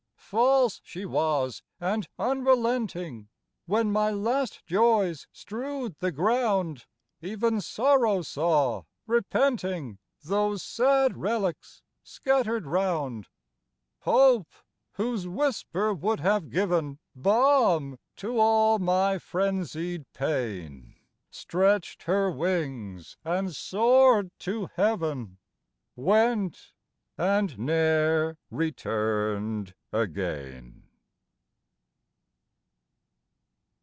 False she was, and unrelenting; When my last joys strewed the ground, Even Sorrow saw, repenting, Those sad relics scattered round; Hope, whose whisper would have given Balm to all my frenzied pain, Stretched her wings, and soared to heaven, Went, and ne'er returned again!